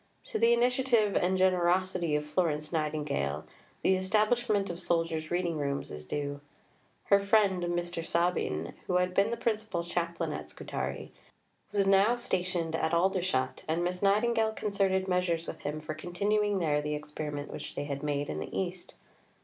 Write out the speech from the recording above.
To the initiative and generosity of Florence Nightingale, the establishment of soldiers' reading rooms is due. Her friend, Mr. Sabin, who had been the principal chaplain at Scutari, was now stationed at Aldershot, and Miss Nightingale concerted measures with him for continuing there the experiment which they had made in the East.